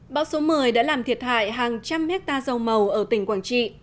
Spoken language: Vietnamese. bão số một mươi đã làm thiệt hại hàng trăm hectare rau màu ở tỉnh quảng trị